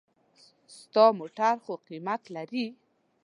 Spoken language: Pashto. ستا موټر خو قېمت لري.